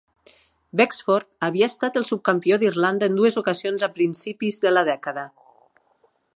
Wexford havia estat el subcampió d'Irlanda en dues ocasions a principis de la dècada.